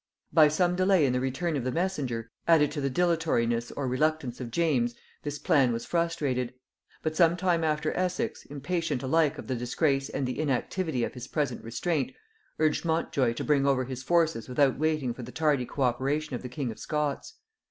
By some delay in the return of the messenger, added to the dilatoriness or reluctance of James, this plan was frustrated; but some time after Essex, impatient alike of the disgrace and the inactivity of his present restraint, urged Montjoy to bring over his forces without waiting for the tardy co operation of the king of Scots.